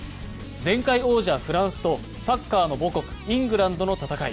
前回王者、フランスとサッカーの母国、イングランドとの戦い。